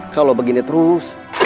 kalau begini terus